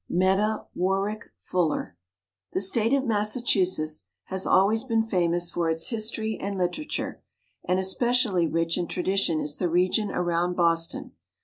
META WARRICK FULLER* The state of Massachusetts has always been famous for its history and literature, and especially rich in tradition is the region around Boston.